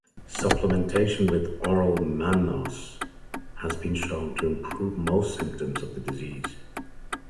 Supplementation with oral mannose has been shown to improve most symptoms of the disease.